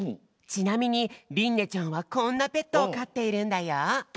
ちなみにりんねちゃんはこんなペットをかっているんだよ。